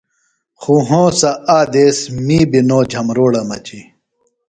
خوۡ ہونسہ آ دیس می بیۡ نو جھبروڑہ مجیۡ۔